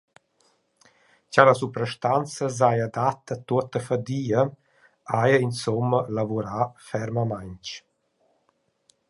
Cha la suprastanza s’haja datta tuotta fadia –haja insomma lavurà fermamaing.